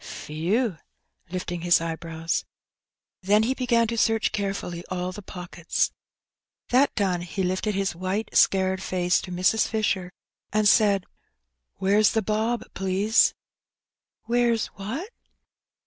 ," Whew !" lifting his eyebrows. Then he began to search Q 226 Hek Benny. . all the pockets ; that done, he lifted his white scared face to Mrs. Fiaher, and said— "Where's the bob, please?" "Where's what?"